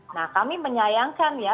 nah kami menyayangkan ya